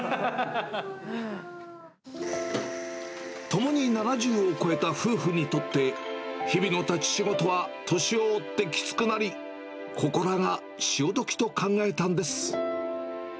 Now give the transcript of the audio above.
ともに７０を超えた夫婦にとって、日々の立ち仕事は年を追ってきつくなり、ここらが潮時と考えたんです。